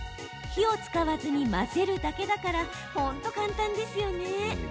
火を使わずに混ぜるだけだから本当、簡単ですよね！